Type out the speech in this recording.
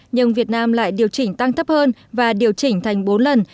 nhưng việt nam lại điều chỉnh tăng thấp hơn và điều chỉnh thành bốn lần